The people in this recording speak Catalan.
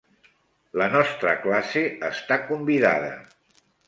La nostra classe està convidada.